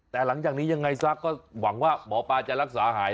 แต่หลังจากนี้ยังไงซะก็หวังว่าหมอปลาจะรักษาหาย